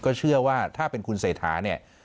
ก็เชื่อว่าถ้าเป็นคุณเสถา